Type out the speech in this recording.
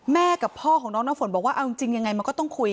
กับพ่อของน้องน้ำฝนบอกว่าเอาจริงยังไงมันก็ต้องคุย